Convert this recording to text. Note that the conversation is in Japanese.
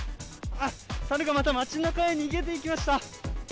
あっ、猿がまた街の中へ逃げていきました。